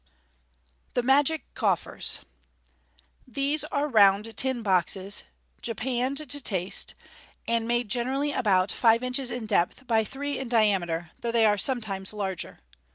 The Magic Coffers. — These are round tin boxes, japanned to taste, and made generally about five inches in depth by three in dia meter, though they are sometimes larger.